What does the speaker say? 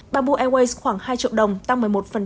bamboo airways khoảng hai triệu đồng tăng một mươi một